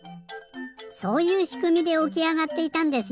そういうしくみでおきあがっていたんですね！